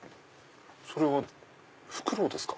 それはフクロウですか？